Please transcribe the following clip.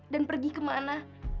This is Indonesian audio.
dan pergi kemana